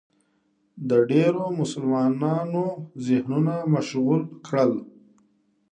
د ډېرو مسلمانانو ذهنونه مشغول کړل